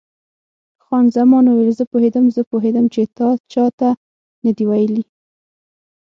خان زمان وویل: زه پوهېدم، زه پوهېدم چې تا چا ته نه دي ویلي.